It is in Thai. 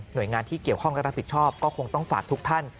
โดยงานที่เกี่ยวข้องและรับผิดชอบก็คงต้องฝากทุกท่าน